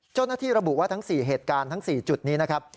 เจ้าหน้าที่ระบุว่าทั้ง๔เหตุการณ์ทั้ง๔จุดนี้นะครับ